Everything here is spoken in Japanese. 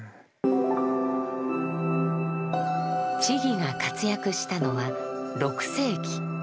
智が活躍したのは６世紀。